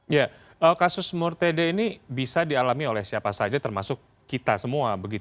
ya kasus mortede ini bisa dialami oleh siapa saja termasuk kita semua